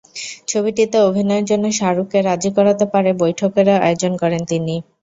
ছবিটিতে অভিনয়ের জন্য শাহরুখকে রাজি করাতে পরে বৈঠকেরও আয়োজন করেন তিনি।